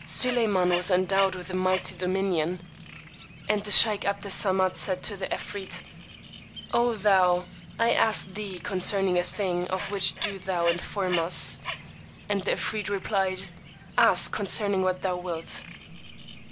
Suleymán was endowed with a mighty dominion! And the sheykh 'Abd Es Samad said to the 'Efreet, O thou, I ask thee concerning a thing of which do thou inform us. The 'Efreet replied, Ask concerning what thou wilt.